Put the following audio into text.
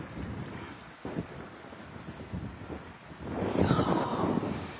いや。